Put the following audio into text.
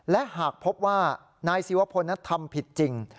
และหากพบว่านายศิวพลนั้นทำผิดจริง